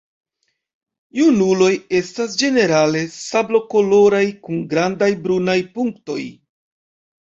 Junuloj estas ĝenerale sablokoloraj kun grandaj brunaj punktoj.